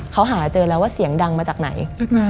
เขาหาเจอแล้วว่าเสียงดังมาจากไหน